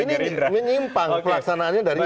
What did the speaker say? ini menyimpang pelaksanaannya